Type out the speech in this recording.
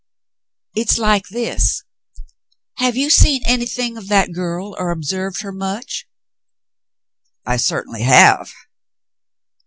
It's like this. Have you seen anything of that girl or observed her much ?" "I certainly have."